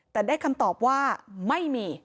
แต่ได้คำตอบว่าไม่มี